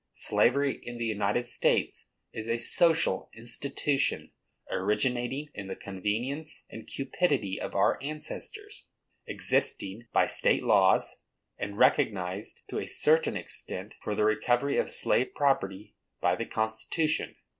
Slavery in the United States is a social institution, originating in the convenience and cupidity of our ancestors, existing by state laws and recognized to a certain extent—for the recovery of slave property—by the constitution.